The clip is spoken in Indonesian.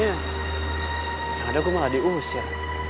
yang ada gue malah dius ya